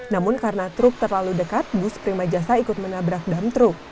namun karena truk terlalu dekat bus prima jasa ikut menabrak dam truk